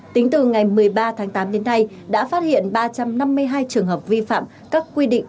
tính từ ngày một mươi ba tháng tám đến nay đã phát hiện ba trăm năm mươi hai trường hợp vi phạm các quy định